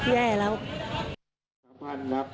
แย่แล้ว